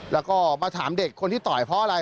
แล้วก็มาถามเด็กคนที่ต่อยเพราะอะไร